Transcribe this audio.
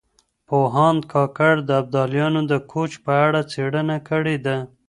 پوهاند کاکړ د ابدالیانو د کوچ په اړه څېړنه کړې ده.